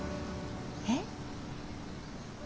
えっ？